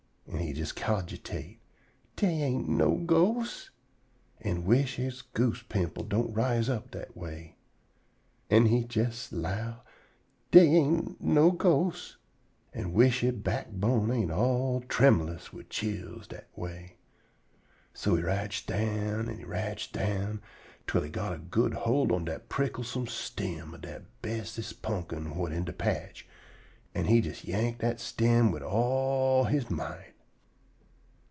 An' he jes cogitate, "Dey ain't no ghosts," an' wish he goose pimples don't rise up dat way. An' he jes 'low, "Dey ain't no ghosts," an' wish he backbone ain't all trembulous wid chills dat way. So he rotch down, an' he rotch down, twell he git a good hold on dat pricklesome stem of dat bestest pumpkin whut in de patch, an' he jes yank dat stem wid all he might.